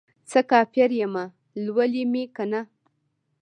څه کافر یمه ، لولی مې کنه